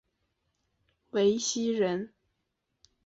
讳熙仁。